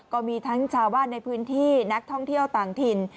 ก็มีทั้งชาวบ้านในพื้นที่นักท่องเที่ยวต่างถิ่น